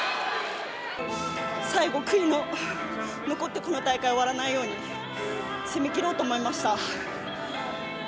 最後悔いの残って、この戦いが終わらないように、攻めきろうと思いました。